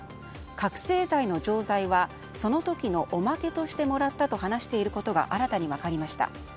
覚醒剤の錠剤はその時のおまけとしてもらったと話していることが新たに分かりました。